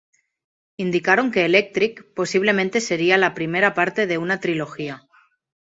Indicaron que Electric, posiblemente sería la primera parte de una trilogía.